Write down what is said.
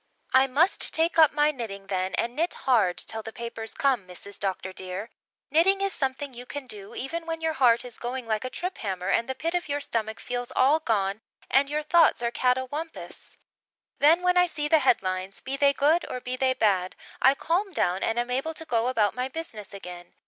"I must take up my knitting then and knit hard till the papers come, Mrs. Dr. dear. Knitting is something you can do, even when your heart is going like a trip hammer and the pit of your stomach feels all gone and your thoughts are catawampus. Then when I see the headlines, be they good or be they bad, I calm down and am able to go about my business again.